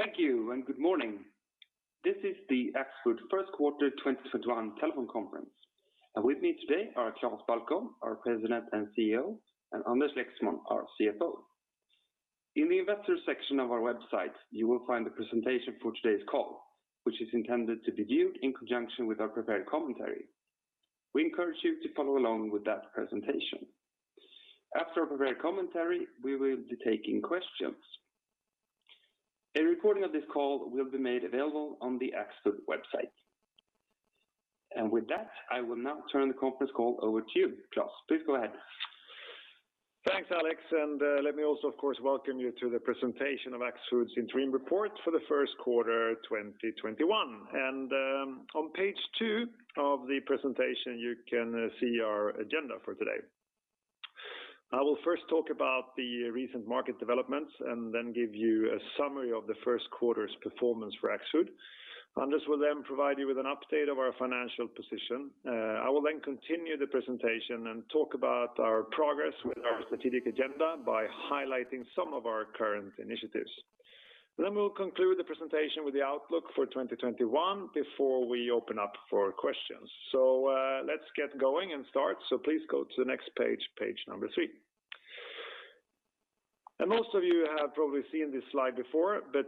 Thank you, and good morning. This is the Axfood first quarter 2021 telephone conference. With me today are Klas Balkow, our President and CEO, and Anders Lexmon, our CFO. In the Investor section of our website, you will find the presentation for today's call, which is intended to be viewed in conjunction with our prepared commentary. We encourage you to follow along with that presentation. After our prepared commentary, we will be taking questions. A recording of this call will be made available on the Axfood website. With that, I will now turn the conference call over to you, Klas. Please go ahead. Thanks, Alex, let me also, of course, welcome you to the presentation of Axfood's interim report for the first quarter 2021. On page two of the presentation, you can see our agenda for today. I will first talk about the recent market developments and give you a summary of the first quarter's performance for Axfood. Anders will provide you with an update of our financial position. I will continue the presentation and talk about our progress with our strategic agenda by highlighting some of our current initiatives. We'll conclude the presentation with the outlook for 2021 before we open up for questions. Let's get going and start. Please go to the next page number three. Most of you have probably seen this slide before, but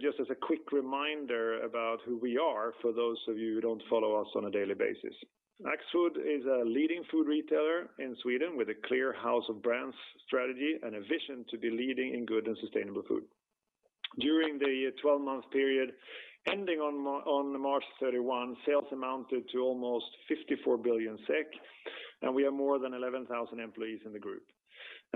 just as a quick reminder about who we are for those of you who don't follow us on a daily basis. Axfood is a leading food retailer in Sweden with a clear house of brands strategy and a vision to be leading in good and sustainable food. During the 12-month period ending on March 31, sales amounted to almost 54 billion SEK, and we have more than 11,000 employees in the group.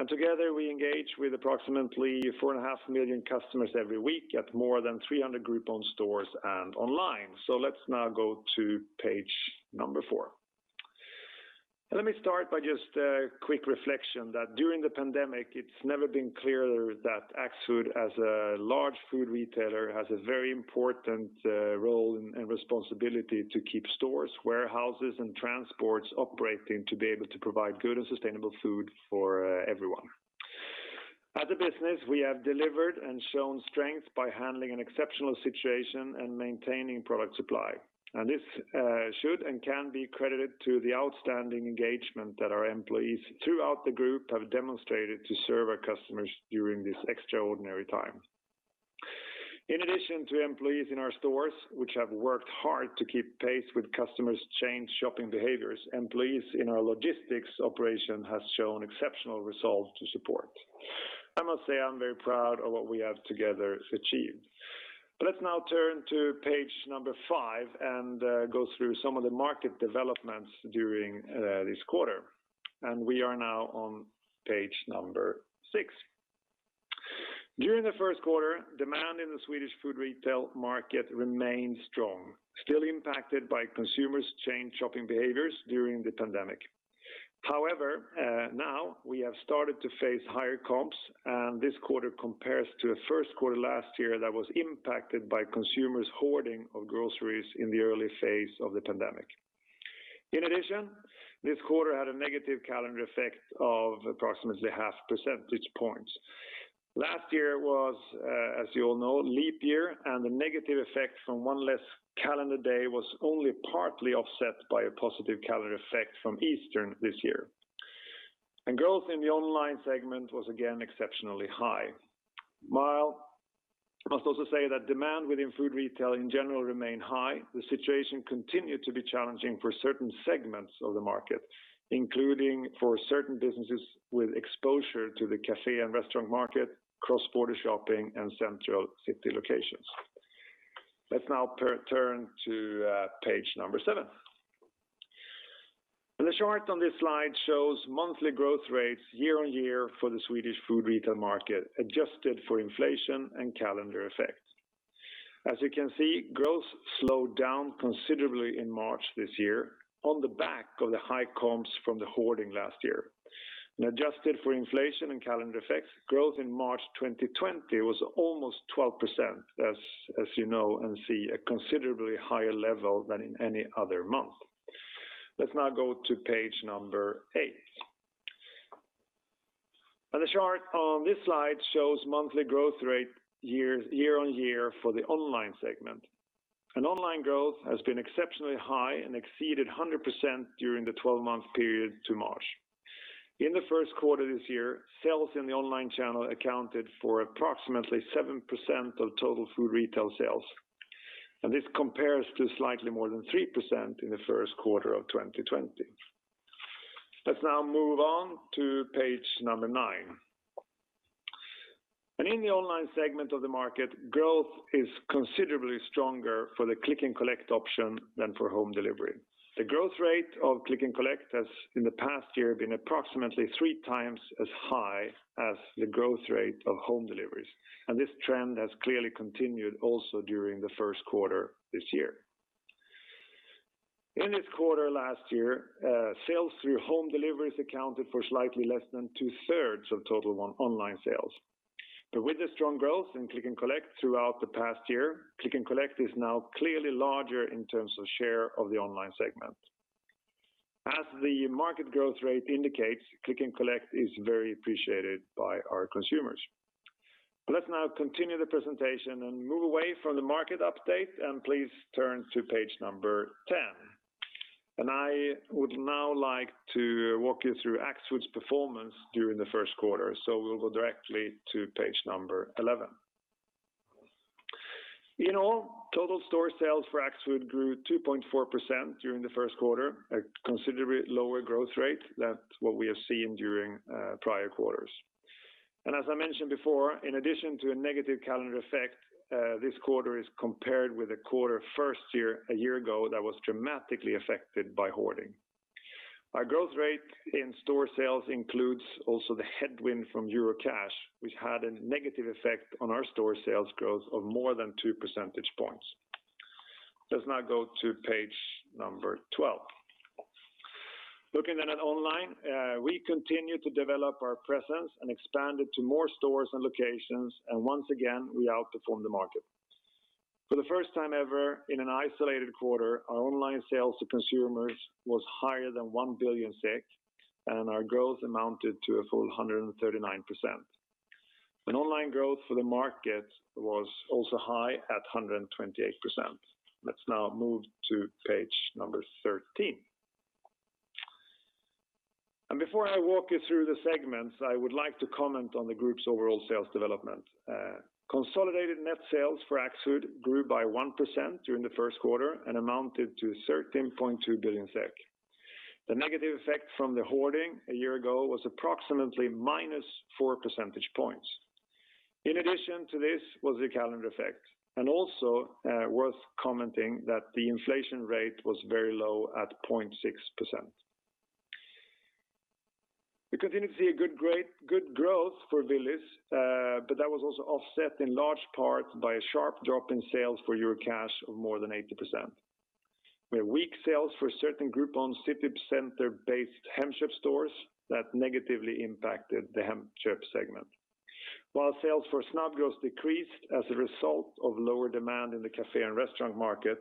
Together, we engage with approximately 4.5 million customers every week at more than 300 group-owned stores and online. Let's now go to page number four. Let me start by just a quick reflection that during the pandemic, it's never been clearer that Axfood, as a large food retailer, has a very important role and responsibility to keep stores, warehouses, and transports operating to be able to provide good and sustainable food for everyone. As a business, we have delivered and shown strength by handling an exceptional situation and maintaining product supply. This should and can be credited to the outstanding engagement that our employees throughout the group have demonstrated to serve our customers during this extraordinary time. In addition to employees in our stores, which have worked hard to keep pace with customers' changed shopping behaviors, employees in our logistics operation has shown exceptional resolve to support. I must say, I'm very proud of what we have together achieved. Let's now turn to page number five and go through some of the market developments during this quarter. We are now on page number six. During the first quarter, demand in the Swedish food retail market remained strong, still impacted by consumers' changed shopping behaviors during the pandemic. However, now we have started to face higher comps, and this quarter compares to the first quarter last year that was impacted by consumers hoarding of groceries in the early phase of the pandemic. In addition, this quarter had a negative calendar effect of approximately half percentage points. Last year was, as you all know, a leap year, and the negative effect from one less calendar day was only partly offset by a positive calendar effect from Easter this year. Growth in the online segment was again exceptionally high. While I must also say that demand within food retail in general remained high, the situation continued to be challenging for certain segments of the market, including for certain businesses with exposure to the cafe and restaurant market, cross-border shopping, and central city locations. Let's now turn to page number seven. The chart on this slide shows monthly growth rates year-over-year for the Swedish food retail market, adjusted for inflation and calendar effect. As you can see, growth slowed down considerably in March this year on the back of the high comps from the hoarding last year. Adjusted for inflation and calendar effects, growth in March 2020 was almost 12%, as you know and see, a considerably higher level than in any other month. Let's now go to page number eight. The chart on this slide shows monthly growth rate year on year for the online segment. Online growth has been exceptionally high and exceeded 100% during the 12-month period to March. In the first quarter this year, sales in the online channel accounted for approximately 7% of total food retail sales, and this compares to slightly more than 3% in the first quarter of 2020. Let's now move on to page number nine. In the online segment of the market, growth is considerably stronger for the Click and Collect option than for home delivery. The growth rate of Click and Collect has in the past year been approximately three times as high as the growth rate of home deliveries, and this trend has clearly continued also during the first quarter this year. In this quarter last year, sales through home deliveries accounted for slightly less than 2/3 of total online sales. With the strong growth in Click and Collect throughout the past year, Click and Collect is now clearly larger in terms of share of the online segment. As the market growth rate indicates, Click and Collect is very appreciated by our consumers. Let's now continue the presentation and move away from the market update. Please turn to page number 10. I would now like to walk you through Axfood's performance during the first quarter. We'll go directly to page number 11. In all, total store sales for Axfood grew 2.4% during the first quarter, a considerably lower growth rate than what we have seen during prior quarters. As I mentioned before, in addition to a negative calendar effect, this quarter is compared with a quarter first year, a year ago, that was dramatically affected by hoarding. Our growth rate in store sales includes also the headwind from Eurocash, which had a negative effect on our store sales growth of more than two percentage points. Let's now go to page number 12. Looking then at online, we continue to develop our presence and expand it to more stores and locations. Once again, we outperform the market. For the first time ever, in an isolated quarter, our online sales to consumers was higher than 1 billion SEK, and our growth amounted to a full 139%. Online growth for the market was also high at 128%. Let's now move to page number 13. Before I walk you through the segments, I would like to comment on the group's overall sales development. Consolidated net sales for Axfood grew by 1% during the first quarter and amounted to 13.2 billion SEK. The negative effect from the hoarding a year ago was approximately -4 percentage points. In addition to this was the calendar effect, and also worth commenting that the inflation rate was very low at 0.6%. We continue to see a good growth for Willys, but that was also offset in large part by a sharp drop in sales for Eurocash of more than 80%. We had weak sales for certain group-owned city center-based Hemköp stores that negatively impacted the Hemköp segment. While sales for Snabbgross decreased as a result of lower demand in the cafe and restaurant market,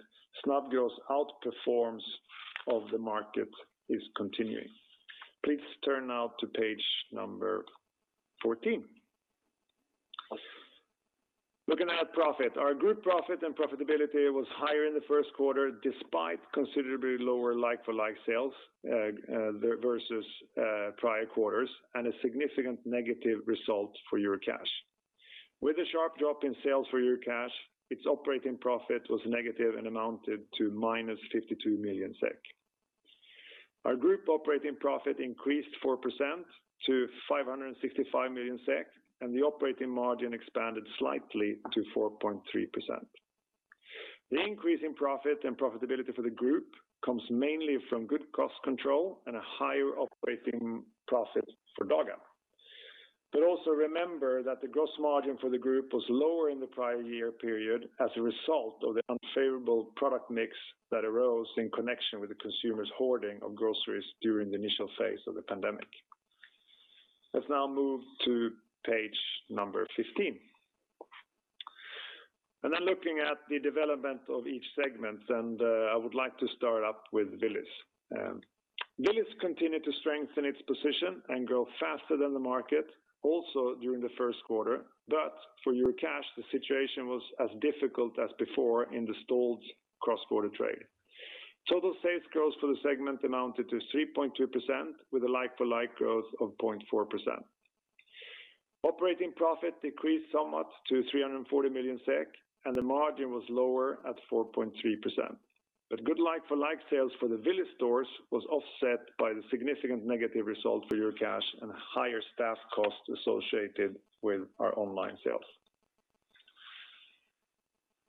Snabbgross outperformance of the market is continuing. Please turn now to page number 14. Looking at profit, our group profit and profitability was higher in the first quarter, despite considerably lower like-for-like sales versus prior quarters, and a significant negative result for Eurocash. With a sharp drop in sales for Eurocash, its operating profit was negative and amounted to -52 million SEK. Our group operating profit increased 4% to 565 million SEK, and the operating margin expanded slightly to 4.3%. The increase in profit and profitability for the group comes mainly from good cost control and a higher operating profit for Dagab. Also remember that the gross margin for the group was lower in the prior year period as a result of the unfavorable product mix that arose in connection with the consumers' hoarding of groceries during the initial phase of the pandemic. Let's now move to page number 15. Looking at the development of each segment, I would like to start up with Willys. Willys continued to strengthen its position and grow faster than the market, also during the first quarter. For Eurocash, the situation was as difficult as before in the stalled cross-border trade. Total sales growth for the segment amounted to 3.3%, with a like-for-like growth of 0.4%. Operating profit decreased somewhat to 340 million SEK, and the margin was lower at 4.3%. Good like-for-like sales for the Willys stores was offset by the significant negative result for Eurocash and higher staff costs associated with our online sales.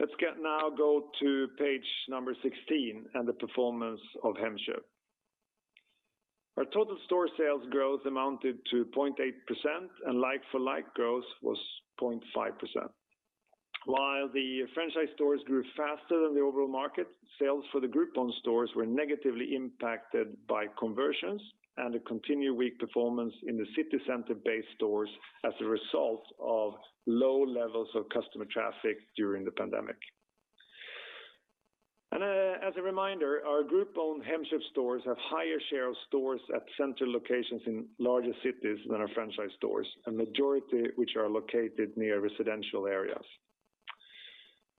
Let's now go to page number 16 and the performance of Hemköp. Our total store sales growth amounted to 0.8%, and like-for-like growth was 0.5%. While the franchise stores grew faster than the overall market, sales for the group-owned stores were negatively impacted by conversions and a continued weak performance in the city center-based stores as a result of low levels of customer traffic during the pandemic. As a reminder, our group-owned Hemköp stores have higher share of stores at center locations in larger cities than our franchise stores, a majority which are located near residential areas.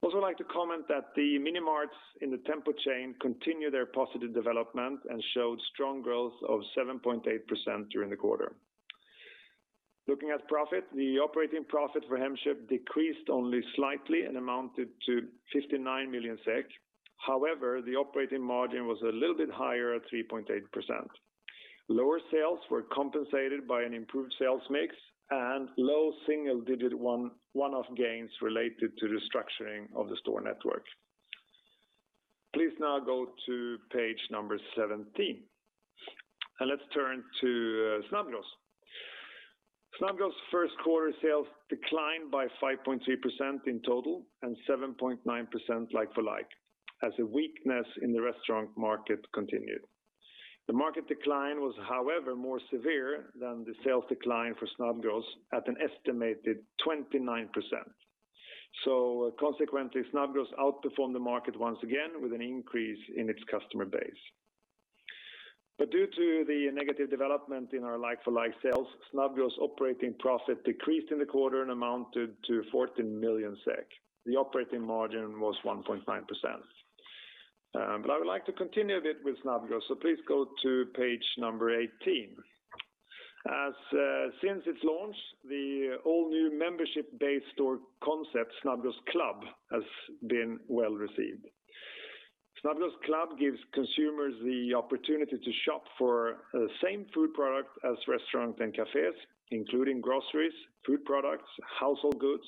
I'd like to comment that the minimarts in the Tempo chain continue their positive development and showed strong growth of 7.8% during the quarter. Looking at profit, the operating profit for Hemköp decreased only slightly and amounted to 59 million SEK. However, the operating margin was a little bit higher at 3.8%. Lower sales were compensated by an improved sales mix and low single-digit one-off gains related to the structuring of the store network. Please now go to page number 17, and let's turn to Snabbgross. Snabbgross first quarter sales declined by 5.3% in total and 7.9% like-for-like as a weakness in the restaurant market continued. The market decline was, however, more severe than the sales decline for Snabbgross at an estimated 29%. Consequently, Snabbgross outperformed the market once again with an increase in its customer base. Due to the negative development in our like-for-like sales, Snabbgross operating profit decreased in the quarter and amounted to 14 million SEK. The operating margin was 1.9%. I would like to continue a bit with Snabbgross, please go to page number 18. Since its launch, the all-new membership-based store concept, Snabbgross Club, has been well-received. Snabbgross Club gives consumers the opportunity to shop for the same food product as restaurants and cafes, including groceries, food products, household goods,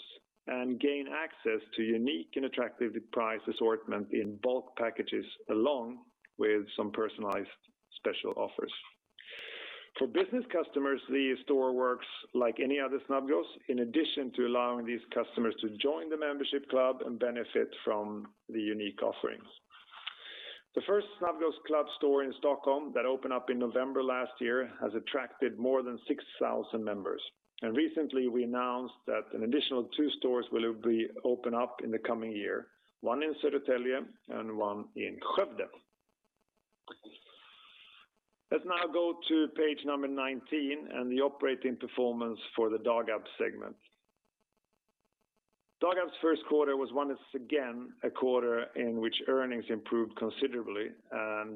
and gain access to unique and attractive priced assortment in bulk packages along with some personalized special offers. For business customers, the store works like any other Snabbgross, in addition to allowing these customers to join the membership club and benefit from the unique offerings. The first Snabbgross Club store in Stockholm that opened up in November last year has attracted more than 6,000 members. Recently, we announced that an additional two stores will be opened up in the coming year, one in Södertälje and one in Skövde. Let's now go to page number 19 and the operating performance for the Dagab segment. Dagab's first quarter was once again a quarter in which earnings improved considerably.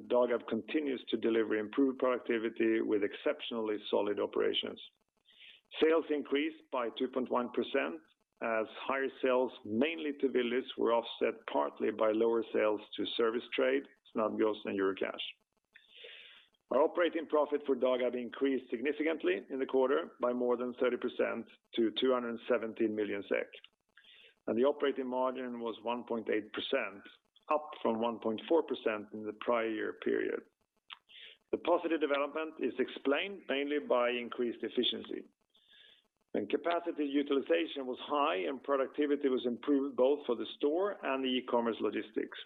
Dagab continues to deliver improved productivity with exceptionally solid operations. Sales increased by 2.1% as higher sales, mainly to Willys, were offset partly by lower sales to service trade, Snabbgross, and Eurocash. Our operating profit for Dagab increased significantly in the quarter by more than 30% to 217 million SEK. The operating margin was 1.8%, up from 1.4% in the prior year period. The positive development is explained mainly by increased efficiency. Capacity utilization was high, and productivity was improved both for the store and the e-commerce logistics.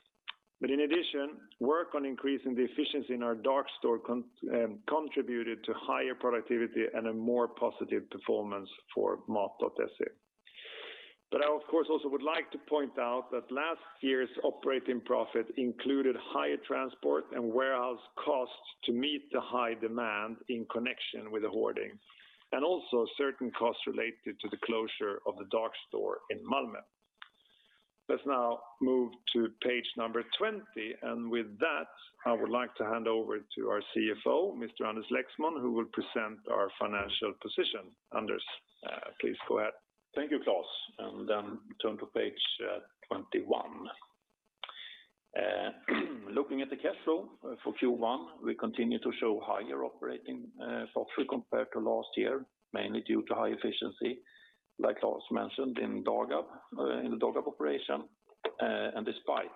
In addition, work on increasing the efficiency in our dark store contributed to higher productivity and a more positive performance for Mat.se. I, of course, also would like to point out that last year's operating profit included higher transport and warehouse costs to meet the high demand in connection with the hoarding, and also certain costs related to the closure of the dark store in Malmö. Let's now move to page number 20, and with that, I would like to hand over to our CFO, Mr. Anders Lexmon, who will present our financial position. Anders, please go ahead. Thank you, Klas. Then turn to page 21. Looking at the cash flow for Q1, we continue to show higher operating profit compared to last year, mainly due to high efficiency, like Klas mentioned in the Dagab operation, and despite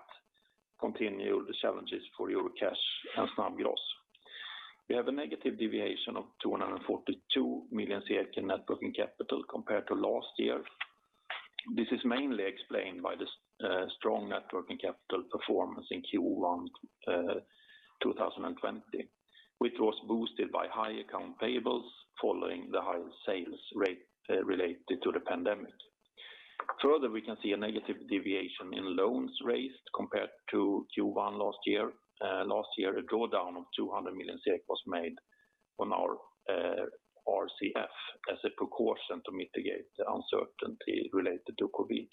continued challenges for Eurocash and Snabbgross. We have a negative deviation of 242 million in net working capital compared to last year. This is mainly explained by the strong net working capital performance in Q1 2020, which was boosted by high account payables following the higher sales rate related to the pandemic. Further, we can see a negative deviation in loans raised compared to Q1 last year. Last year, a drawdown of 200 million SEK was made on our RCF as a precaution to mitigate the uncertainty related to COVID-19.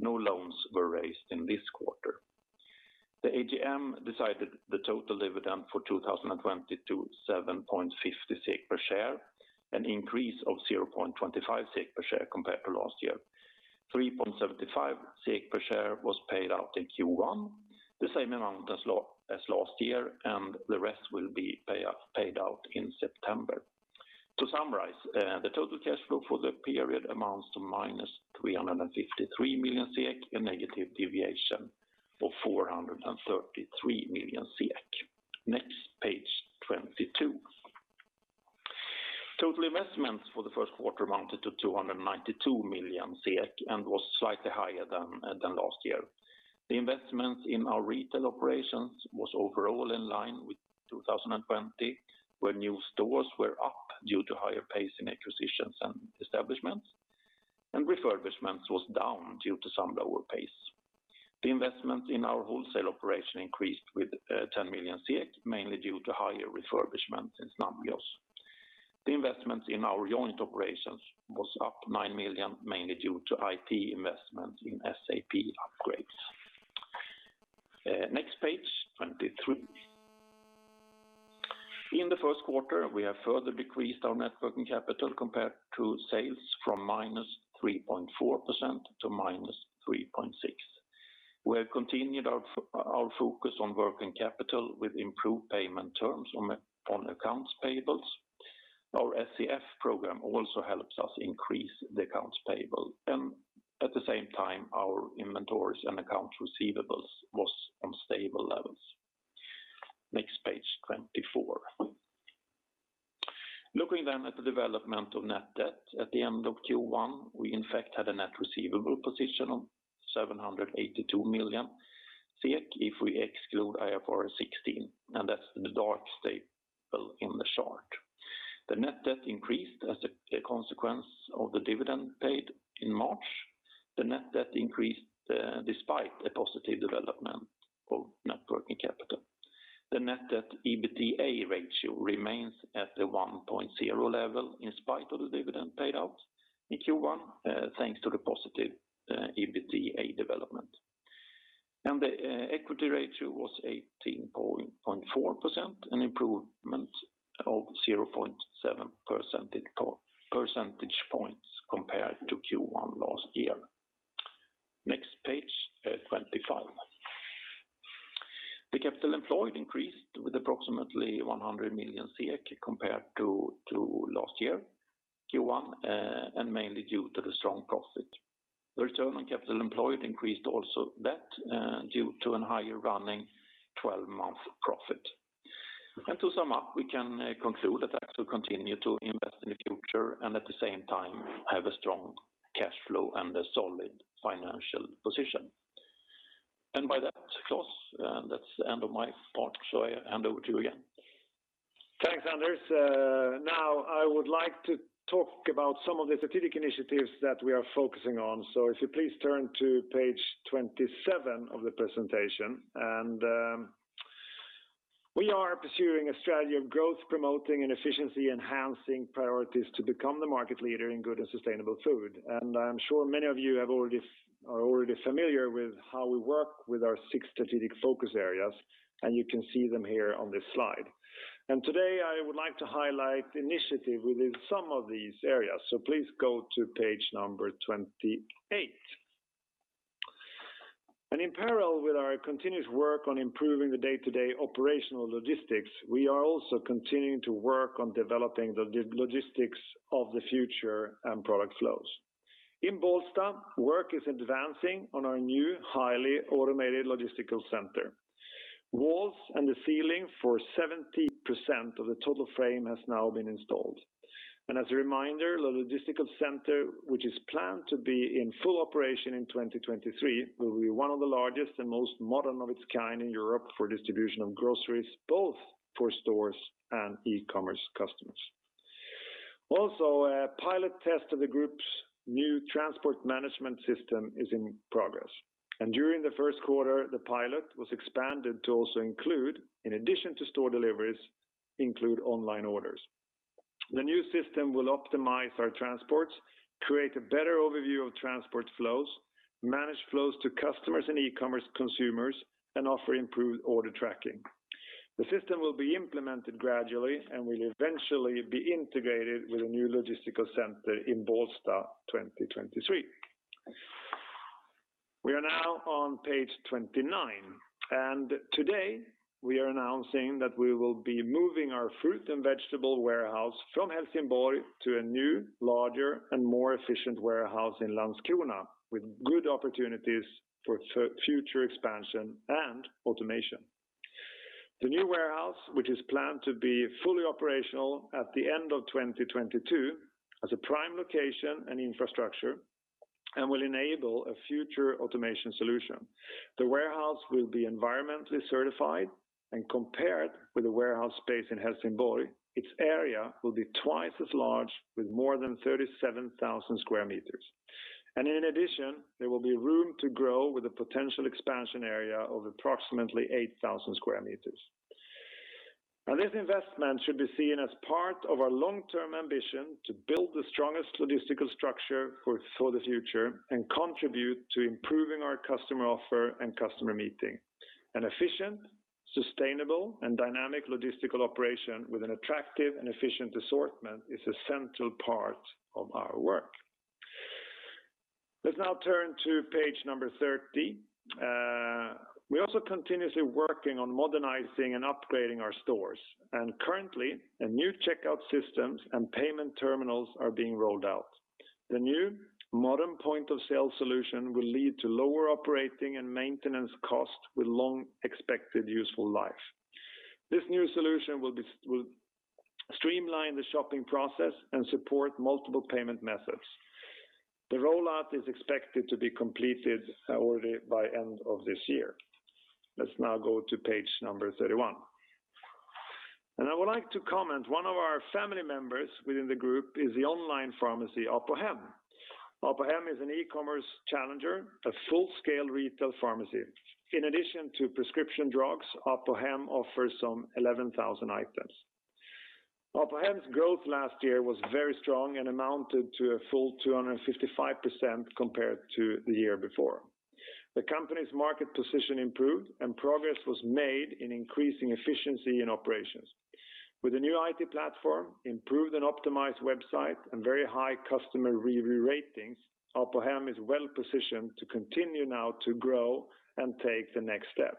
No loans were raised in this quarter. The AGM decided the total dividend for 2020 to 7.50 SEK per share, an increase of 0.25 SEK per share compared to last year. 3.75 SEK per share was paid out in Q1, the same amount as last year, and the rest will be paid out in September. To summarize, the total cash flow for the period amounts to -353 million SEK, a negative deviation of 433 million SEK. Next, page 22. Total investments for the first quarter amounted to 292 million SEK and was slightly higher than last year. The investment in our retail operations was overall in line with 2020, where new stores were up due to higher pace in acquisitions and establishments, and refurbishments was down due to some lower pace. The investment in our wholesale operation increased with 10 million, mainly due to higher refurbishment in Snabbgross. The investment in our joint operations was up 9 million, mainly due to IT investments in SAP upgrades. Next page, 23. In the first quarter, we have further decreased our net working capital compared to sales from -3.4% to -3.6%. We have continued our focus on working capital with improved payment terms on accounts payables. Our SCF program also helps us increase the accounts payable, at the same time, our inventories and accounts receivables was on stable levels. Next page, 24. Looking at the development of net debt. At the end of Q1, we in fact had a net receivable position of 782 million if we exclude IFRS 16, that's the dark staple in the chart. The net debt increased as a consequence of the dividend paid in March. The net debt increased despite a positive development of net working capital. The net debt EBITDA ratio remains at the 1.0 level in spite of the dividend payout in Q1, thanks to the positive EBITDA development. The equity ratio was 18.4%, an improvement of 0.7 percentage points compared to Q1 last year. Next page 25. The capital employed increased with approximately 100 million compared to last year Q1, and mainly due to the strong profit. The return on capital employed increased also that due to an higher running 12-month profit. To sum up, we can conclude that Axfood continue to invest in the future and at the same time have a strong cash flow and a solid financial position. By that, Klas, that's the end of my part. I hand over to you again. Thanks, Anders. Now I would like to talk about some of the strategic initiatives that we are focusing on. If you please turn to page 27 of the presentation. We are pursuing a strategy of growth-promoting and efficiency-enhancing priorities to become the market leader in good and sustainable food. I'm sure many of you are already familiar with how we work with our six strategic focus areas, and you can see them here on this slide. Today, I would like to highlight initiative within some of these areas. Please go to page number 28. In parallel with our continuous work on improving the day-to-day operational logistics, we are also continuing to work on developing the logistics of the future and product flows. In Bålsta, work is advancing on our new highly automated logistical center. Walls and the ceiling for 70% of the total frame has now been installed. As a reminder, the logistical center, which is planned to be in full operation in 2023, will be one of the largest and most modern of its kind in Europe for distribution of groceries, both for stores and e-commerce customers. Also, a pilot test of the group's new transport management system is in progress. During the first quarter, the pilot was expanded to also include, in addition to store deliveries, online orders. The new system will optimize our transports, create a better overview of transport flows, manage flows to customers and e-commerce consumers, and offer improved order tracking. The system will be implemented gradually and will eventually be integrated with a new logistical center in Bålsta 2023. We are now on page 29, and today we are announcing that we will be moving our fruit and vegetable warehouse from Helsingborg to a new, larger, and more efficient warehouse in Landskrona, with good opportunities for future expansion and automation. The new warehouse, which is planned to be fully operational at the end of 2022, has a prime location and infrastructure and will enable a future automation solution. The warehouse will be environmentally certified and compared with a warehouse space in Helsingborg, its area will be twice as large with more than 37,000 sq m. In addition, there will be room to grow with a potential expansion area of approximately 8,000 sq m. Now, this investment should be seen as part of our long-term ambition to build the strongest logistical structure for the future and contribute to improving our customer offer and customer meeting. An efficient, sustainable, and dynamic logistical operation with an attractive and efficient assortment is a central part of our work. Let's now turn to page number 30. Currently, a new checkout systems and payment terminals are being rolled out. The new modern point of sale solution will lead to lower operating and maintenance costs with long expected useful life. This new solution will streamline the shopping process and support multiple payment methods. The rollout is expected to be completed already by end of this year. Let's now go to page number 31. I would like to comment, one of our family members within the group is the online pharmacy, Apohem. Apohem is an e-commerce challenger, a full-scale retail pharmacy. In addition to prescription drugs, Apohem offers some 11,000 items. Apohem's growth last year was very strong and amounted to a full 255% compared to the year before. The company's market position improved, and progress was made in increasing efficiency in operations. With a new IT platform, improved and optimized website, and very high customer re-ratings, Apohem is well positioned to continue now to grow and take the next step.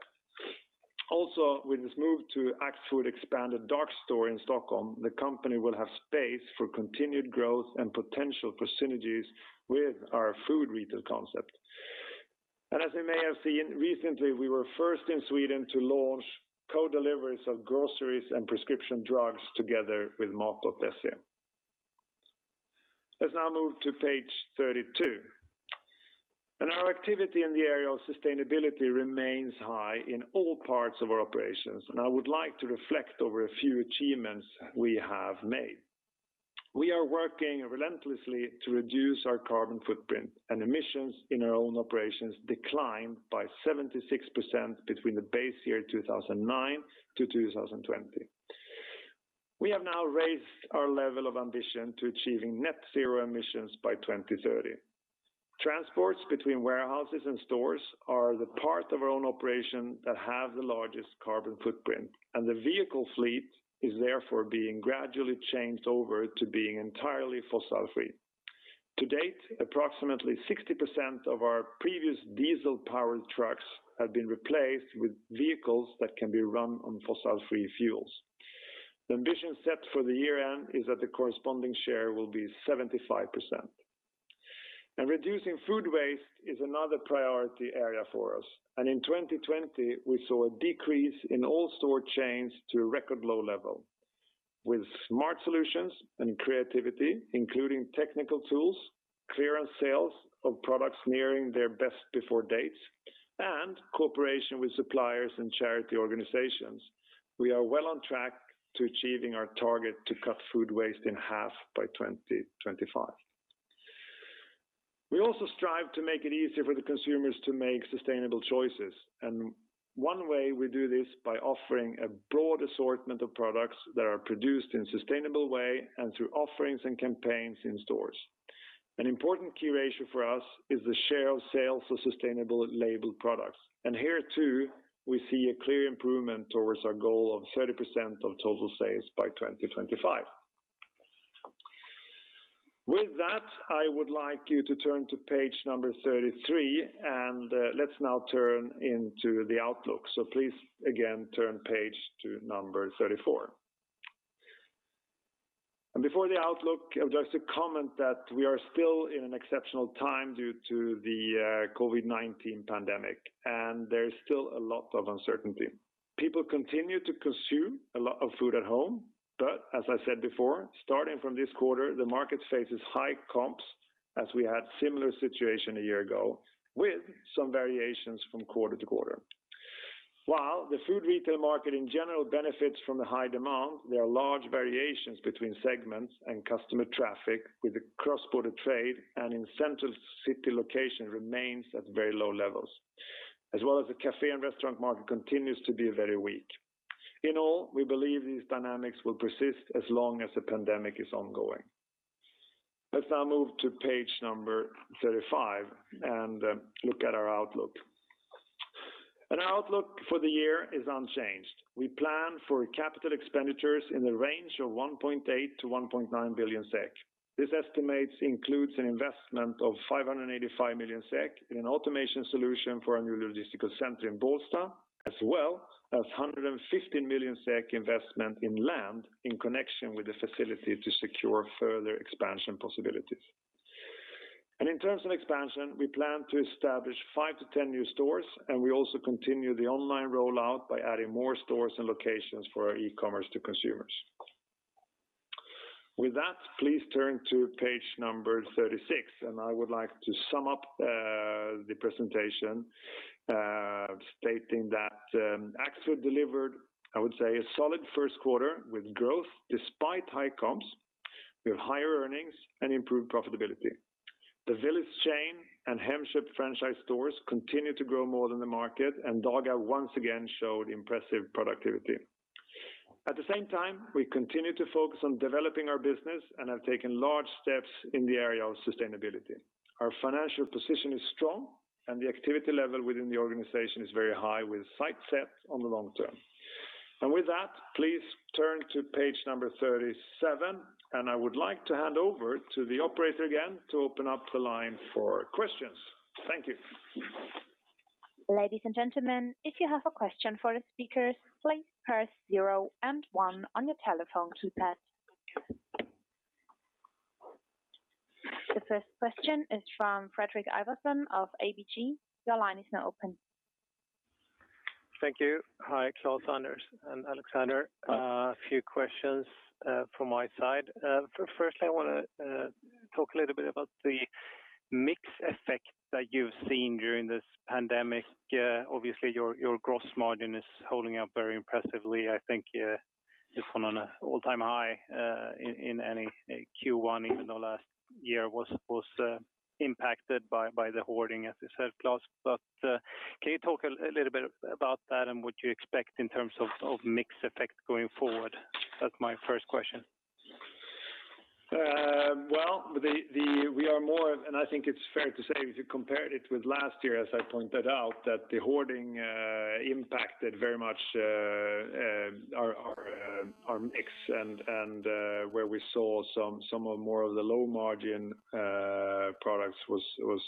Also, with its move to Axfood expanded dark store in Stockholm, the company will have space for continued growth and potential for synergies with our food retail concept. As you may have seen recently, we were first in Sweden to launch co-deliveries of groceries and prescription drugs together with Mat.se. Let's now move to page 32. Our activity in the area of sustainability remains high in all parts of our operations, and I would like to reflect over a few achievements we have made. We are working relentlessly to reduce our carbon footprint. Emissions in our own operations declined by 76% between the base year 2009-2020. We have now raised our level of ambition to achieving net zero emissions by 2030. Transports between warehouses and stores are the part of our own operation that have the largest carbon footprint. The vehicle fleet is therefore being gradually changed over to being entirely fossil free. To date, approximately 60% of our previous diesel-powered trucks have been replaced with vehicles that can be run on fossil free fuels. The ambition set for the year-end is that the corresponding share will be 75%. Reducing food waste is another priority area for us. In 2020, we saw a decrease in all store chains to a record low level. With smart solutions and creativity, including technical tools, clearance sales of products nearing their best before dates, and cooperation with suppliers and charity organizations, we are well on track to achieving our target to cut food waste in half by 2025. We also strive to make it easier for the consumers to make sustainable choices. One way we do this by offering a broad assortment of products that are produced in sustainable way and through offerings and campaigns in stores. An important key ratio for us is the share of sales of sustainable labeled products. Here too, we see a clear improvement towards our goal of 30% of total sales by 2025. With that, I would like you to turn to page number 33, and let's now turn into the outlook. Please again, turn page to number 34. Before the outlook, just a comment that we are still in an exceptional time due to the COVID-19 pandemic, there's still a lot of uncertainty. People continue to consume a lot of food at home, but as I said before, starting from this quarter, the market faces high comps as we had similar situation a year ago with some variations from quarter to quarter. While the food retail market in general benefits from the high demand, there are large variations between segments and customer traffic with the cross-border trade and in central city location remains at very low levels. The cafe and restaurant market continues to be very weak. In all, we believe these dynamics will persist as long as the pandemic is ongoing. Let's now move to page number 35 and look at our outlook. Our outlook for the year is unchanged. We plan for capital expenditures in the range of 1.8 billion-1.9 billion SEK. This estimate includes an investment of 585 million SEK in an automation solution for a new logistics center in Bålsta, as well as 150 million SEK investment in land in connection with the facility to secure further expansion possibilities. In terms of expansion, we plan to establish 5-10 new stores, and we also continue the online rollout by adding more stores and locations for our e-commerce to consumers. With that, please turn to page 36. I would like to sum up the presentation, stating that Axfood delivered, I would say, a solid first quarter with growth despite high comps, with higher earnings and improved profitability. The Willys chain and Hemköp franchise stores continue to grow more than the market. Dagab once again showed impressive productivity. At the same time, we continue to focus on developing our business and have taken large steps in the area of sustainability. Our financial position is strong, and the activity level within the organization is very high with sight set on the long term. With that, please turn to page number 37, and I would like to hand over to the operator again to open up the line for questions. Thank you. Ladies and gentlemen, if you have a question for the speakers, please press zero and one on your telephone keypad. The first question is from Fredrik Ivarsson of ABG. Your line is now open. Thank you. Hi, Klas, Anders and Alexander. A few questions from my side. Firstly, I want to talk a little bit about the mix effect that you've seen during this pandemic. Obviously, your gross margin is holding up very impressively. I think just on an all-time high in any Q1 even though last year was impacted by the hoarding, as you said, Klas. Can you talk a little bit about that and what you expect in terms of mix effect going forward? That's my first question. Well, I think it's fair to say if you compared it with last year, as I pointed out, that the hoarding impacted very much our mix and where we saw some of more of the low-margin products was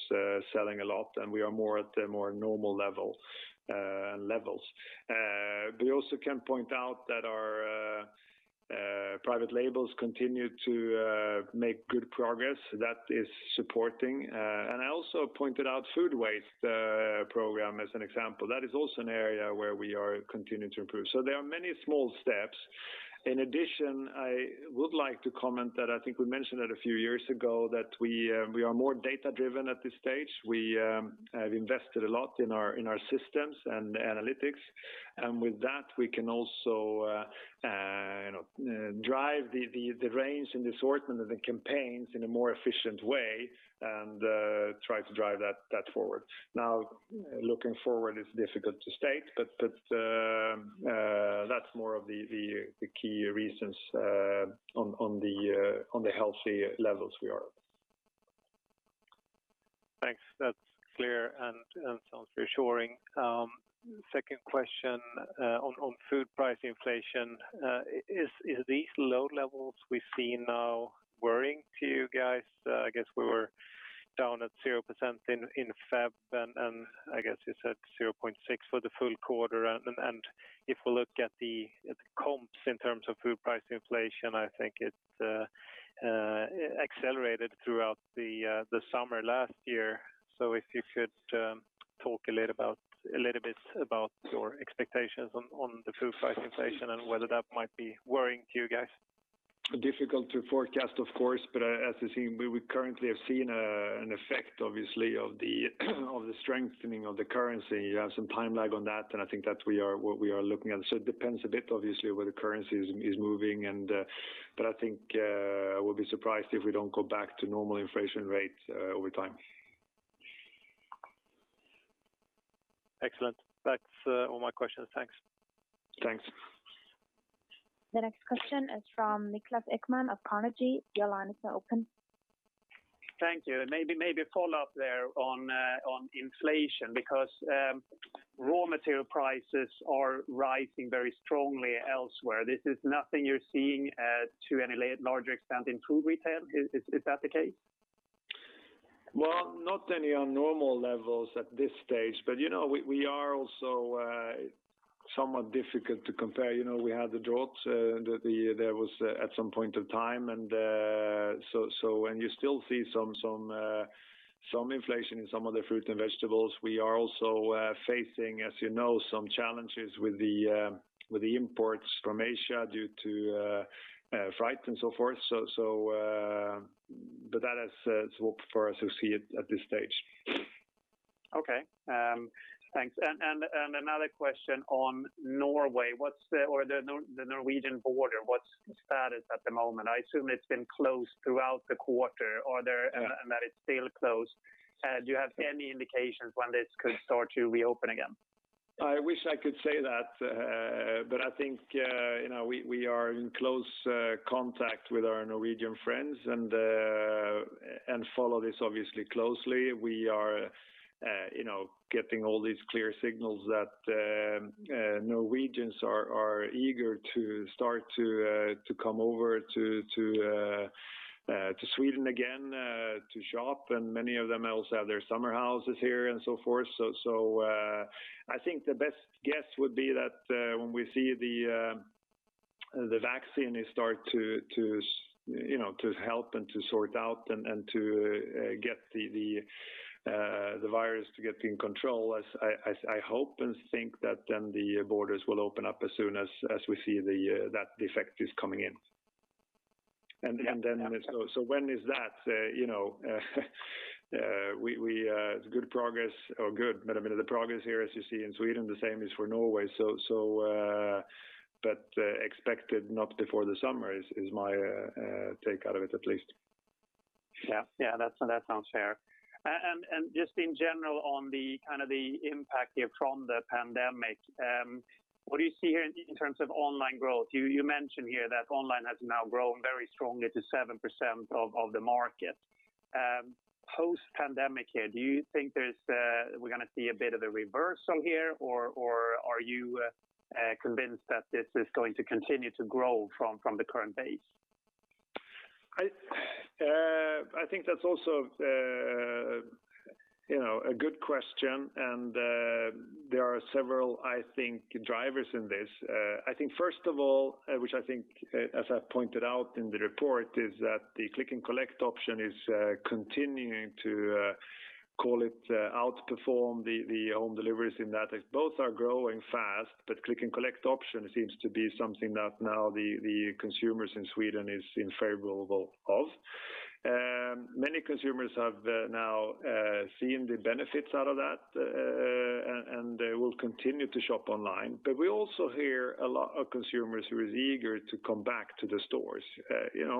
selling a lot and we are more at the more normal levels. We also can point out that our private labels continue to make good progress. That is supporting. I also pointed out food waste program as an example. That is also an area where we are continuing to improve. There are many small steps. In addition, I would like to comment that I think we mentioned it a few years ago that we are more data-driven at this stage. We have invested a lot in our systems and analytics. With that, we can also drive the range and the assortment of the campaigns in a more efficient way and try to drive that forward. Looking forward, it's difficult to state, but that's more of the key reasons on the healthy levels we are. Thanks. That's clear and sounds reassuring. Second question on food price inflation. Are these low levels we see now worrying to you guys? I guess we were down at 0% in February, and I guess you said 0.6% for the full quarter. If we look at the comps in terms of food price inflation, I think it accelerated throughout the summer last year. If you could talk a little bit about your expectations on the food price inflation and whether that might be worrying to you guys. Difficult to forecast, of course, as a team, we currently have seen an effect, obviously, of the strengthening of the currency. You have some time lag on that, I think that's what we are looking at. It depends a bit, obviously, where the currency is moving. I think we'll be surprised if we don't go back to normal inflation rates over time. Excellent. That's all my questions. Thanks. Thanks. The next question is from Niklas Ekman of Carnegie. Your line is now open. Thank you. Maybe a follow-up there on inflation because raw material prices are rising very strongly elsewhere. This is nothing you're seeing to any larger extent in food retail. Is that the case? Well, not any abnormal levels at this stage, but we are also somewhat difficult to compare. We had the drought there was at some point of time, and you still see some inflation in some of the fruits and vegetables. We are also facing, as you know, some challenges with the imports from Asia due to freight and so forth. That is what for us you see at this stage. Okay. Thanks. Another question on Norway or the Norwegian border. What's the status at the moment? I assume it's been closed throughout the quarter and that it's still closed. Do you have any indications when this could start to reopen again? I wish I could say that. I think we are in close contact with our Norwegian friends and follow this obviously closely. We are getting all these clear signals that Norwegians are eager to start to come over to Sweden again to shop, and many of them also have their summer houses here and so forth. I think the best guess would be that when we see the vaccine start to help and to sort out and to get the virus to get in control, as I hope and think that the borders will open up as soon as we see that the effect is coming in. When is that? The progress here as you see in Sweden, the same is for Norway. Expected not before the summer is my take out of it, at least. Yeah. That sounds fair. Just in general on the impact here from the pandemic, what do you see here in terms of online growth? You mentioned here that online has now grown very strongly to 7% of the market. Post-pandemic here, do you think we're going to see a bit of a reversal here or are you convinced that this is going to continue to grow from the current base? I think that's also a good question, and there are several, I think, drivers in this. I think first of all, which I think as I've pointed out in the report, is that the Click and Collect option is continuing to call it outperform the home deliveries in that both are growing fast, but Click and Collect option seems to be something that now the consumers in Sweden is in favorable of. Many consumers have now seen the benefits out of that, and they will continue to shop online. We also hear a lot of consumers who are eager to come back to the stores. There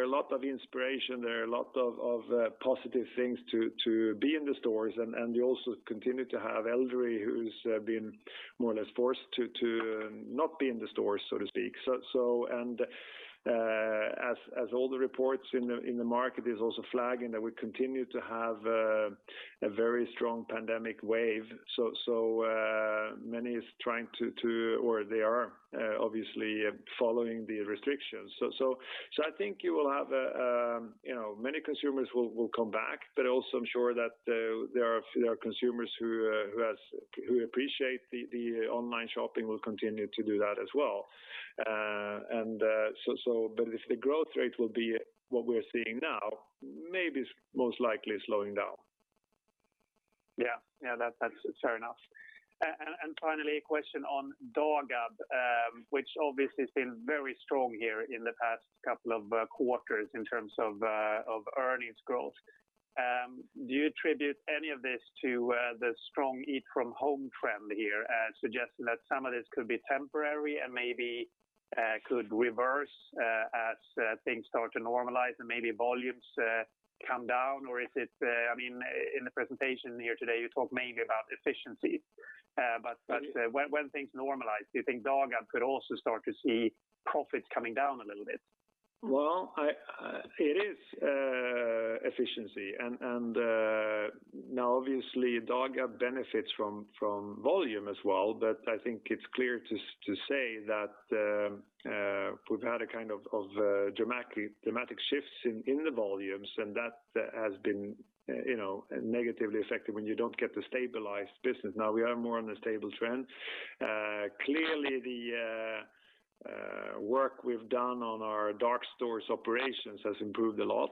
are a lot of inspiration, there are a lot of positive things to be in the stores, and you also continue to have elderly who's been more or less forced to not be in the stores, so to speak. As all the reports in the market is also flagging that we continue to have a very strong pandemic wave, many is trying to or they are obviously following the restrictions. I think many consumers will come back, but also I'm sure that there are consumers who appreciate the online shopping will continue to do that as well. If the growth rate will be what we're seeing now, maybe it's most likely slowing down. Yeah, that's fair enough. Finally, a question on Dagab, which obviously has been very strong here in the past couple of quarters in terms of earnings growth. Do you attribute any of this to the strong eat-from-home trend here, suggesting that some of this could be temporary and maybe could reverse as things start to normalize and maybe volumes come down? In the presentation here today, you talk mainly about efficiency. When things normalize, do you think Dagab could also start to see profits coming down a little bit? It is efficiency. Now obviously Dagab benefits from volume as well. I think it's clear to say that we've had dramatic shifts in the volumes, and that has been negatively affected when you don't get to stabilize business. Now we are more on a stable trend. Clearly, the work we've done on our dark stores operations has improved a lot.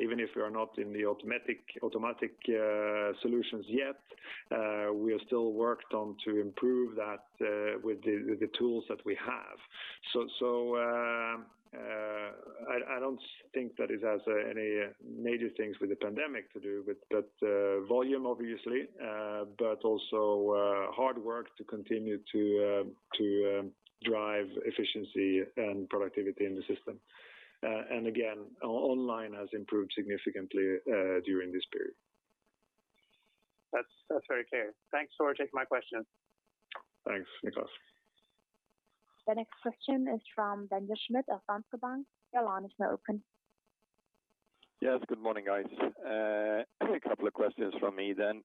Even if we are not in the automatic solutions yet, we have still worked on to improve that with the tools that we have. I don't think that it has any major things with the pandemic to do, but volume obviously, but also hard work to continue to drive efficiency and productivity in the system. Again, online has improved significantly during this period. That's very clear. Thanks for taking my question. Thanks, Niklas. The next question is from Daniel Schmidt of Danske Bank. Your line is now open. Yes, good morning, guys. A couple of questions from me then.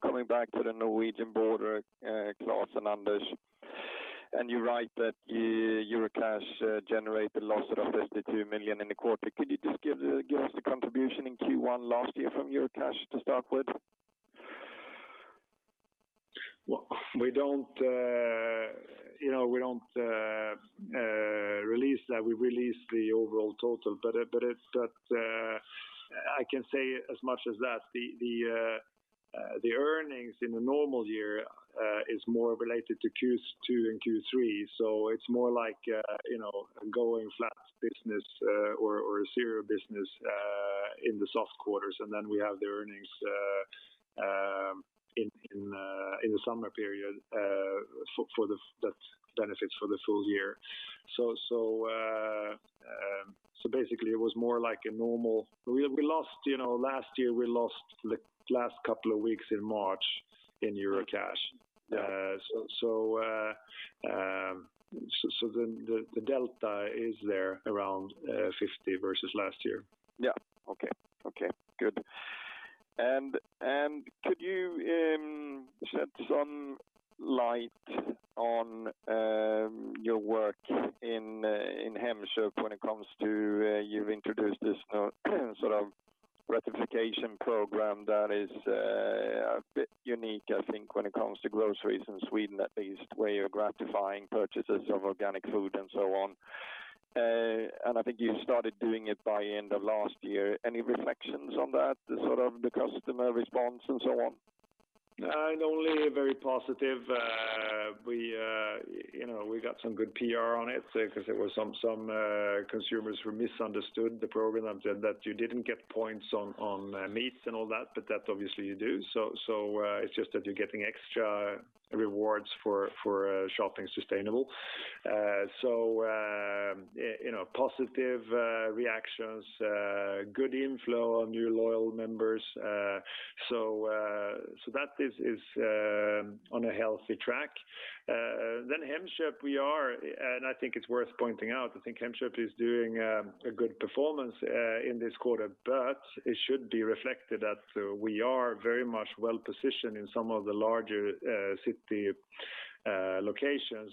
Coming back to the Norwegian border, Klas and Anders, you write that Eurocash generated losses of 52 million in the quarter. Could you just give us the contribution in Q1 last year from Eurocash to start with? We don't release that. We release the overall total. I can say as much as that. The earnings in a normal year is more related to Q2 and Q3, so it's more like going flat business or zero business in the soft quarters. We have the earnings in the summer period for the benefits for the full year. Basically, Last year, we lost the last couple of weeks in March in Eurocash. Yeah. The delta is there around 50 versus last year. Yeah. Okay, good. Could you shed some light on your work in Hemköp? You've introduced this sort of gratification program that is a bit unique, I think, when it comes to groceries in Sweden, at least, where you're gratifying purchases of organic food and so on. I think you started doing it by end of last year. Any reflections on that? The customer response and so on. Only very positive. We got some good PR on it because there were some consumers who misunderstood the program that you didn't get points on meat and all that, but that obviously you do. It's just that you're getting extra rewards for shopping sustainable. Positive reactions, good inflow of new loyal members. That is on a healthy track. Hemköp, and I think it's worth pointing out, I think Hemköp is doing a good performance in this quarter. It should be reflected that we are very much well-positioned in some of the larger city locations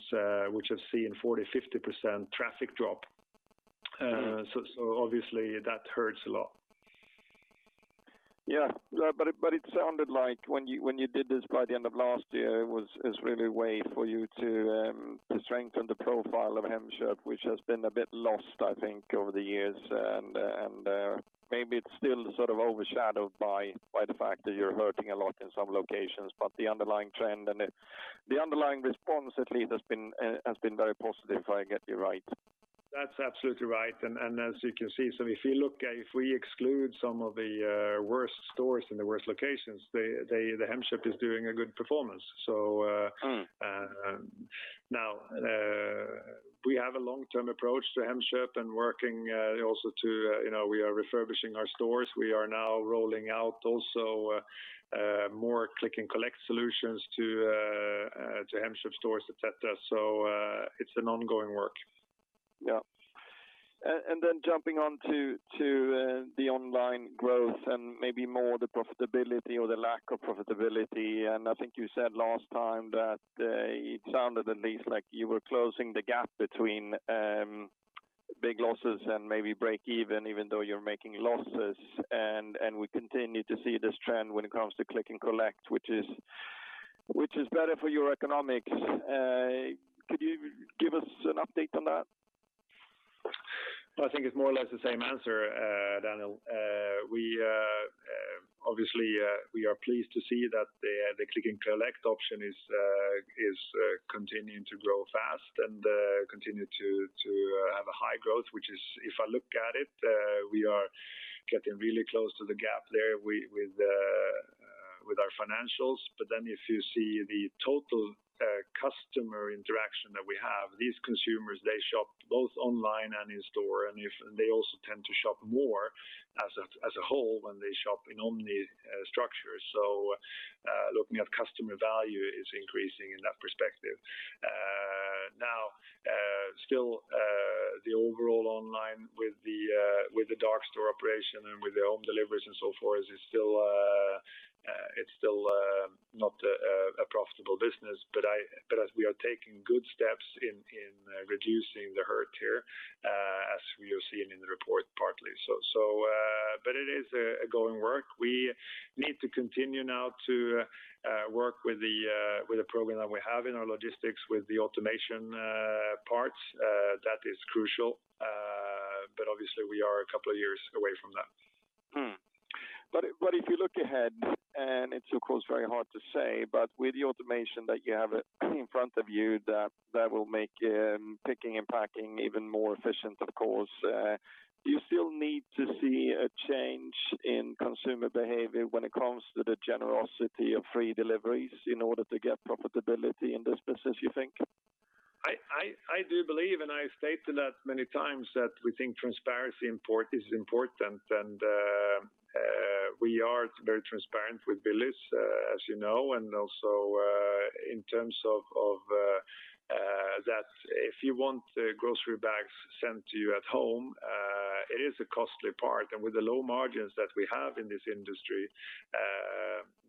which have seen 40%, 50% traffic drop. Obviously that hurts a lot. Yeah. It sounded like when you did this by the end of last year, it was really a way for you to strengthen the profile of Hemköp, which has been a bit lost, I think, over the years. Maybe it's still sort of overshadowed by the fact that you're hurting a lot in some locations. The underlying trend and the underlying response, at least, has been very positive, if I get you right. That's absolutely right. As you can see, if we exclude some of the worst stores and the worst locations, the Hemköp is doing a good performance. Now we have a long-term approach to Hemköp. We are refurbishing our stores. We are now rolling out also more Click and Collect solutions to Hemköp stores, et cetera. It's an ongoing work. Yeah. Jumping on to the online growth and maybe more the profitability or the lack of profitability. I think you said last time that it sounded at least like you were closing the gap between big losses and maybe break even though you're making losses. We continue to see this trend when it comes to Click and Collect, which is better for your economics. Could you give us an update on that? I think it's more or less the same answer, Daniel. Obviously, we are pleased to see that the Click and Collect option is continuing to grow fast and continue to have a high growth, which is, if I look at it, we are getting really close to the gap there with our financials. If you see the total customer interaction that we have, these consumers, they shop both online and in store. They also tend to shop more as a whole when they shop in omni structures. Looking at customer value is increasing in that perspective. Now, still, the overall online with the dark store operation and with the home deliveries and so forth, it's still not a profitable business. As we are taking good steps in reducing the hurt here, as we are seeing in the report, partly. It is a going work. We need to continue now to work with the program that we have in our logistics with the automation parts. That is crucial. Obviously we are a couple of years away from that. If you look ahead, and it is of course very hard to say, but with the automation that you have in front of you that will make picking and packing even more efficient, of course, do you still need to see a change in consumer behavior when it comes to the generosity of free deliveries in order to get profitability in this business, you think? I do believe, and I stated that many times, that we think transparency is important, and we are very transparent with fees, as you know, and also in terms of that if you want grocery bags sent to you at home, it is a costly part. With the low margins that we have in this industry,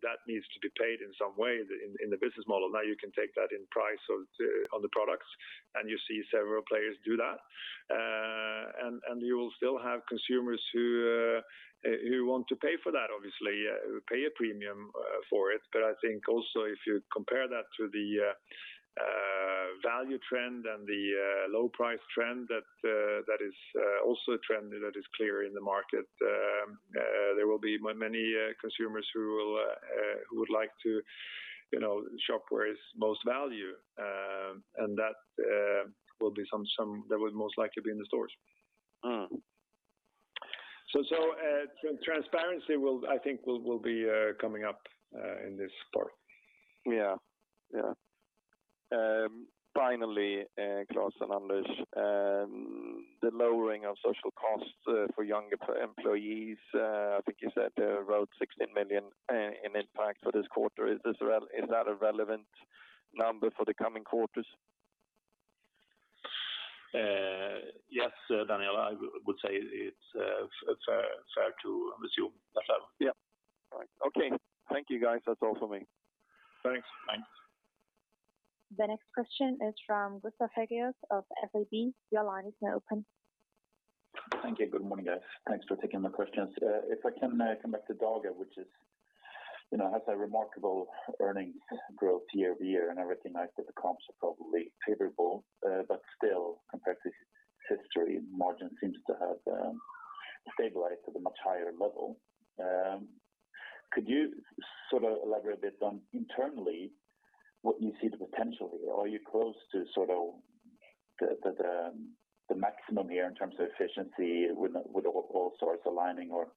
that needs to be paid in some way in the business model. Now you can take that in price on the products, and you see several players do that. You will still have consumers who want to pay for that, obviously, pay a premium for it. I think also if you compare that to the value trend and the low price trend, that is also a trend that is clear in the market. There will be many consumers who would like to shop where is most value, and that will most likely be in the stores. Transparency I think will be coming up in this part. Yeah. Finally, Klas and Anders, the lowering of social costs for younger employees, I think you said around 16 million in impact for this quarter. Is that a relevant number for the coming quarters? Yes, Daniel, I would say it's fair to assume that level. All right. Okay. Thank you, guys. That is all for me. Thanks. Thanks. The next question is from Gustav Hagéus of SEB. Your line is now open. Thank you. Good morning, guys. Thanks for taking my questions. If I can come back to Dagab, which has had remarkable earnings growth year-over-year, and I recognize that the comps are probably favorable. Still, compared to history, margin seems to have stabilized at a much higher level. Could you elaborate a bit on internally what you see the potential here? Are you close to the maximum here in terms of efficiency with all sorts aligning, or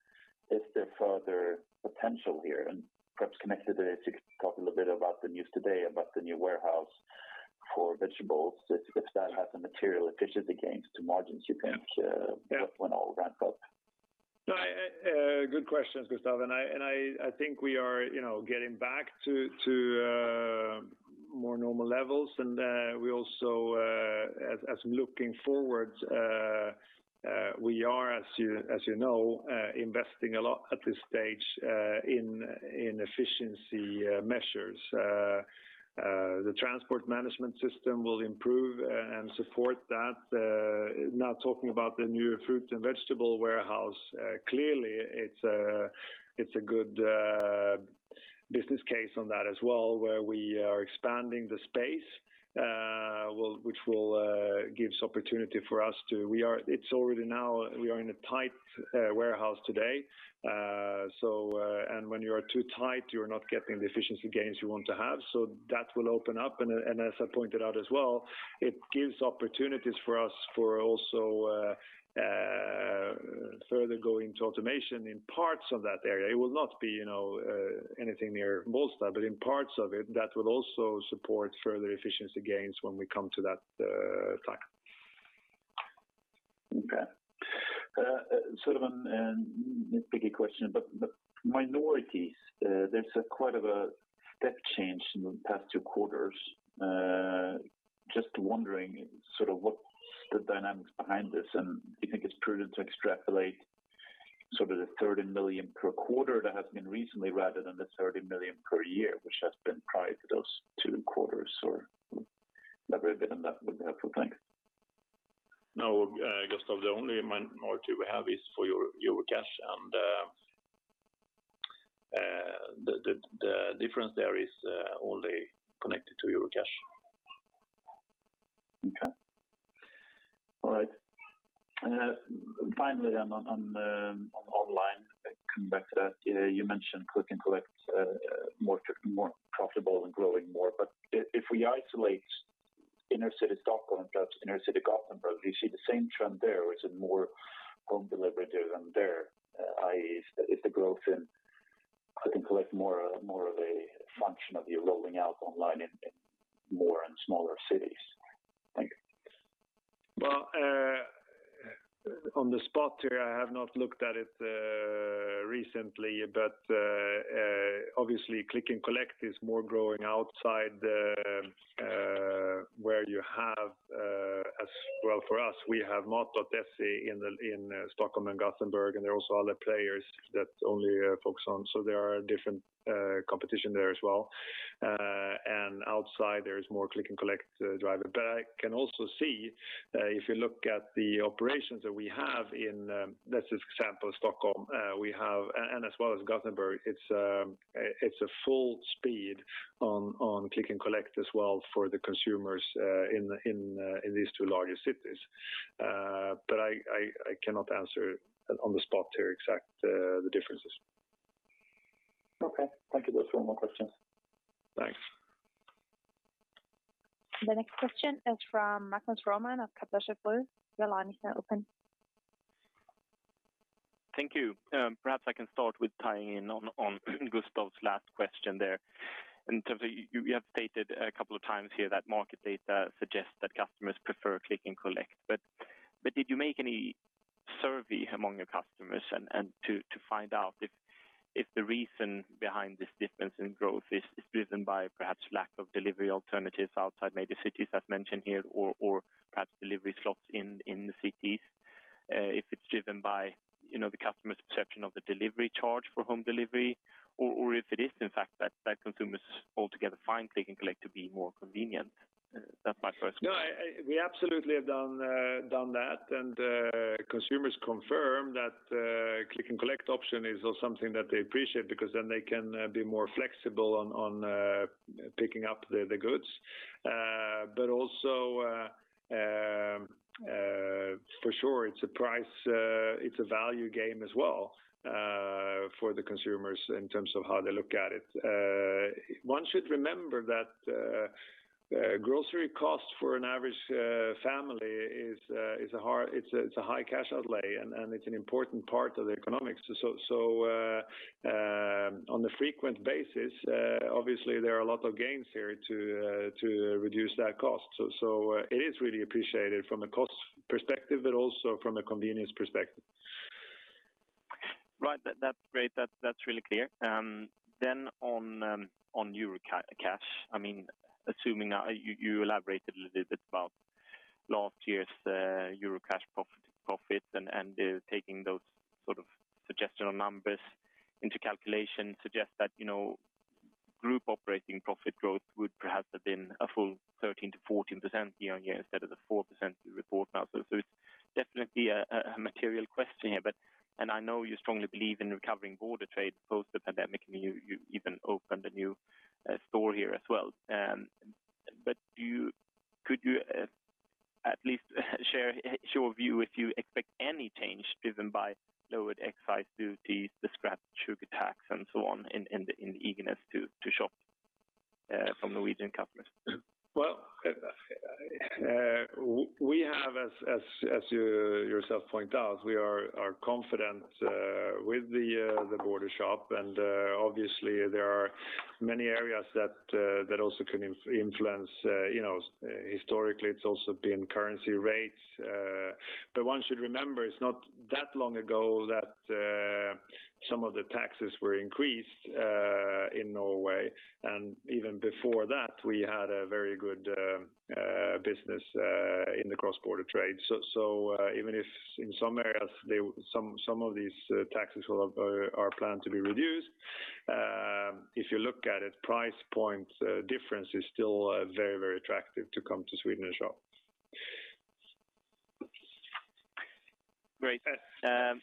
is there further potential here? Perhaps connected, if you could talk a little bit about the news today about the new warehouse for vegetables, if that has the material efficiency gains to margins you think when all ramp up? Good questions, Gustav. I think we are getting back to more normal levels. We also, as looking forward, we are, you know, investing a lot at this stage in efficiency measures. The transport management system will improve and support that. Now talking about the new fruits and vegetable warehouse, clearly it's a good business case on that as well, where we are expanding the space, which will give opportunity for us. We are in a tight warehouse today. When you are too tight, you're not getting the efficiency gains you want to have. That will open up. As I pointed out as well, it gives opportunities for us for also further going to automation in parts of that area. It will not be anything near Bålsta, but in parts of it, that will also support further efficiency gains when we come to that time. Okay. Sort of a picky question, but minorities, there's quite of a step change in the past two quarters. Just wondering, sort of what's the dynamics behind this? Do you think it's prudent to extrapolate sort of the 30 million per quarter that has been recently, rather than the 30 million per year, which has been prior to those two quarters? That would be helpful. Thanks. No, Gustav, the only minority we have is for Eurocash. The difference there is only connected to Eurocash. Okay. All right. Finally, on online, coming back to that, you mentioned Click and Collect is more profitable and growing more. If we isolate inner city Stockholm, perhaps inner city Gothenburg, do you see the same trend there, or is it more home delivery-driven there? Is the growth in Click and Collect more of a function of you rolling out online in more and smaller cities? Thank you. Well, on the spot here, I have not looked at it recently, but obviously Click and Collect is growing more outside where you have Well, for us, we have Mat.se in Stockholm and Gothenburg, and there are also other players that only focus on There are different competition there as well. Outside, there is more Click and Collect driving. I can also see, if you look at the operations that we have in, let's just example Stockholm and as well as Gothenburg, it's a full speed on Click and Collect as well for the consumers in these two largest cities. I cannot answer on the spot here exact the differences. Okay. Thank you. There's no more questions. Thanks. The next question is from Magnus Råman of Kepler Cheuvreux. Your line is now open. Thank you. Perhaps I can start with tying in on Gustav's last question there. In terms of, you have stated a couple of times here that market data suggests that customers prefer Click and Collect. Did you make any survey among your customers to find out if the reason behind this difference in growth is driven by perhaps lack of delivery alternatives outside maybe cities, as mentioned here, or perhaps delivery slots in the cities? If it's driven by the customer's perception of the delivery charge for home delivery, or if it is in fact that consumers altogether find Click and Collect to be more convenient? That's my first question. No, we absolutely have done that, and consumers confirm that Click and Collect option is also something that they appreciate because then they can be more flexible on picking up the goods. Also, for sure, it's a value game as well for the consumers in terms of how they look at it. One should remember that grocery cost for an average family is a high cash outlay, and it's an important part of the economics. On the frequent basis, obviously there are a lot of gains here to reduce that cost. It is really appreciated from a cost perspective, but also from a convenience perspective. Right. That's great. That's really clear. On Eurocash, you elaborated a little bit about last year's Eurocash profits and taking those sort of suggestional numbers into calculation suggests that group operating profit growth would perhaps have been a full 13%-14% year-on-year instead of the 4% you report now. It's definitely a material question here. I know you strongly believe in recovering border trade post the pandemic, and you even opened a new store here as well. Could you at least share your view if you expect any change driven by lowered excise duties, the scrap sugar tax, and so on, in the eagerness to shop from Norwegian customers? Well, as you yourself point out, we are confident with the border shop, and obviously there are many areas that also can influence. Historically, it's also been currency rates. One should remember, it's not that long ago that some of the taxes were increased in Norway, and even before that, we had a very good business in the cross-border trade. Even if in some areas, some of these taxes are planned to be reduced, if you look at it, price point difference is still very attractive to come to Sweden and shop. Great. I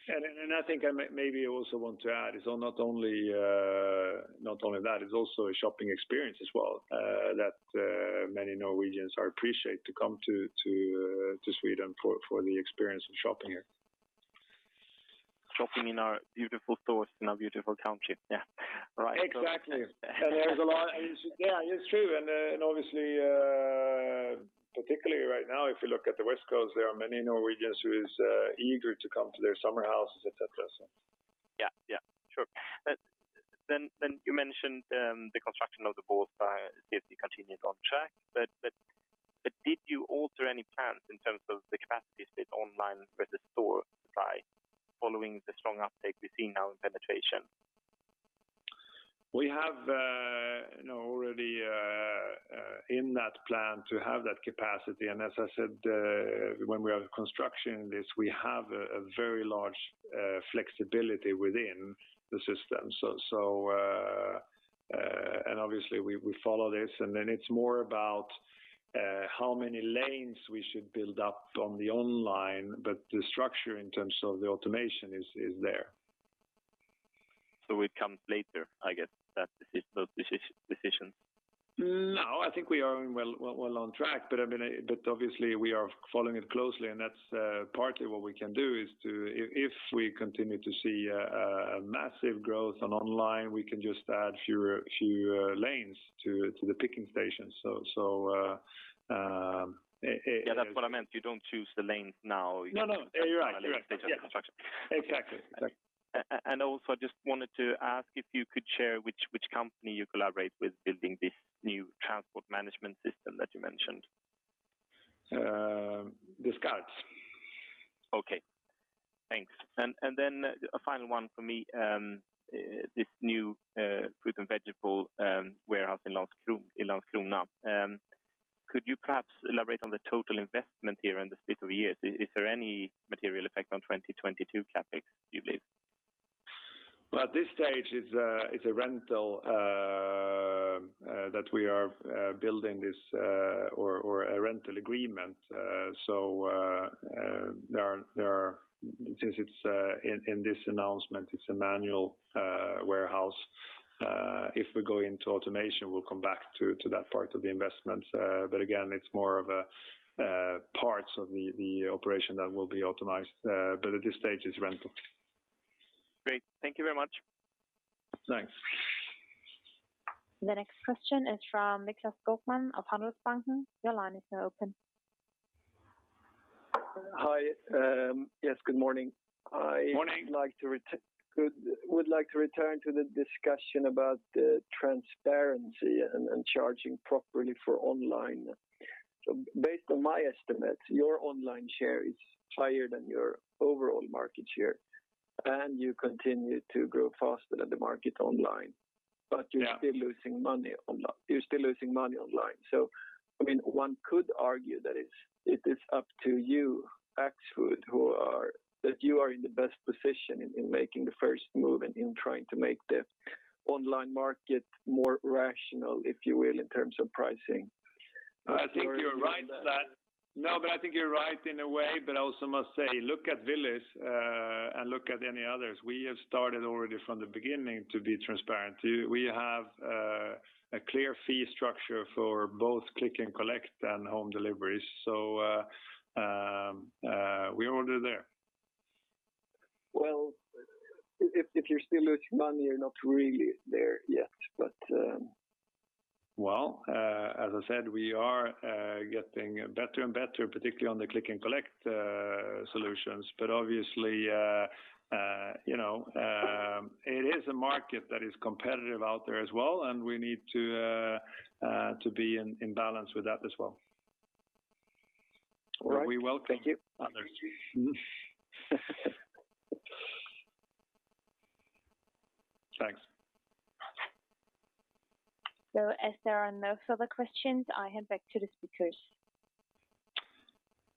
think I maybe also want to add is not only that, it's also a shopping experience as well that many Norwegians appreciate to come to Sweden for the experience of shopping here. Shopping in our beautiful stores in our beautiful country. Yeah. Right. Exactly. It's true, and obviously, particularly right now, if you look at the West Coast, there are many Norwegians who is eager to come to their summer houses, et cetera. Yeah. Sure. You mentioned the construction of the Bålsta CDC continues on track. Did you alter any plans in terms of the capacity split online versus store supply following the strong uptake we see now in penetration? We have already in that plan to have that capacity. As I said, when we are constructing this, we have a very large flexibility within the system. Obviously we follow this, and then it's more about how many lanes we should build up on the online, but the structure in terms of the automation is there. It comes later, I get that decision. No, I think we are well on track. Obviously we are following it closely, and that's partly what we can do is to, if we continue to see a massive growth on online, we can just add a few more lanes to the picking station. Yeah. That's what I meant. You don't choose the lanes now. No, no. You're right. Construction. Exactly. I just wanted to ask if you could share which company you collaborate with building this new transport management system that you mentioned? Descartes. Okay. Thanks. A final one for me. This new fruit and vegetable warehouse in Landskrona. Could you perhaps elaborate on the total investment here and the split over years? Is there any material effect on 2022 CapEx, do you believe? Well, at this stage it's a rental that we are building this or a rental agreement. Since it's in this announcement, it's a manual warehouse. If we go into automation, we'll come back to that part of the investment. Again, it's more of parts of the operation that will be automized. At this stage it's rental. Great. Thank you very much. Thanks. The next question is from Nicklas Skogman of Handelsbanken. Your line is now open. Hi. Yes, good morning. Morning. I would like to return to the discussion about the transparency and charging properly for online. Based on my estimates, your online share is higher than your overall market share, and you continue to grow faster than the market online. Yeah. You're still losing money online. One could argue that it is up to you, Axfood, that you are in the best position in making the first move and in trying to make the online market more rational, if you will, in terms of pricing. I think you're right in a way, I also must say look at Willys, and look at any others. We have started already from the beginning to be transparent. We have a clear fee structure for both Click and Collect and home deliveries, we're already there. Well, if you're still losing money, you're not really there yet. Well, as I said, we are getting better and better, particularly on the Click and Collect solutions. Obviously, it is a market that is competitive out there as well, and we need to be in balance with that as well. All right. We welcome others. Thanks. As there are no further questions, I hand back to the speakers.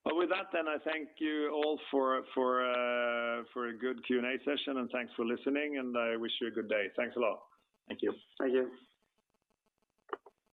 Well, with that then I thank you all for a good Q&A session, and thanks for listening, and I wish you a good day. Thanks a lot. Thank you. Thank you.